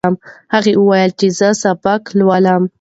هغه وویل چې زه سبق لولم.